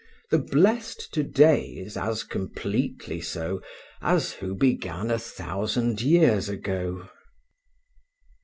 The blest to day is as completely so, As who began a thousand years ago.